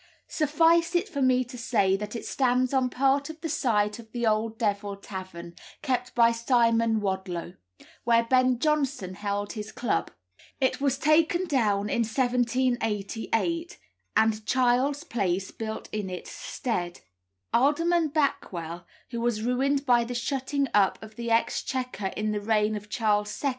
Suffice it for me to say that it stands on part of the site of the old Devil Tavern, kept by old Simon Wadloe, where Ben Jonson held his club. It was taken down in 1788, and Child's Place built in its stead. Alderman Backwell, who was ruined by the shutting up of the Exchequer in the reign of Charles II.